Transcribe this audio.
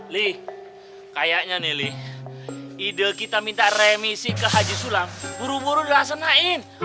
li kayaknya nih li ide kita minta remisi ke aji sulam buru buru udah senain